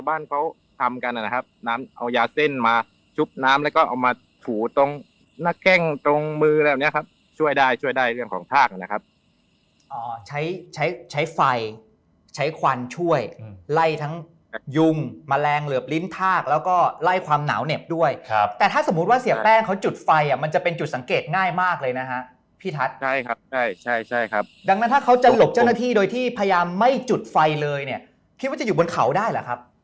บ้านเขาทำกันอะนะครับน้ำเอายาเส้นมาชุบน้ำแล้วก็เอามาถูตรงหน้าแก้งตรงมืออะไรแบบเนี้ยครับช่วยได้ช่วยได้เรื่องของทากนะครับอ๋อใช้ใช้ใช้ไฟใช้ควันช่วยอืมไล่ทั้งยุงแมลงเหลือบลิ้นทากแล้วก็ไล่ความหนาวเหน็บด้วยครับแต่ถ้าสมมุติว่าเสียแป้งเขาจุดไฟอะมันจะเป็นจุดสังเกตง่ายมากเลยนะฮะ